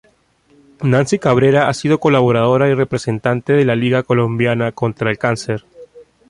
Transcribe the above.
Nancy Cabrera ha sido colaboradora y representante de La Liga colombiana contra el Cáncer.